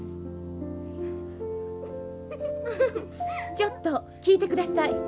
ちょっと聞いてください。